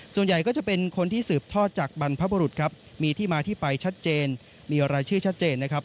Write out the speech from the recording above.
ส่วนใหญ่ก็จะเป็นคนที่สืบทอดจากบรรพบุรุษครับมีที่มาที่ไปชัดเจนมีรายชื่อชัดเจนนะครับ